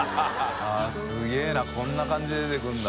◆舛すげぇなこんな感じで出てくるんだ。